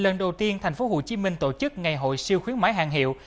lần đầu tiên thành phố hồ chí minh tổ chức ngày hội siêu khuyến mái hàng hiệu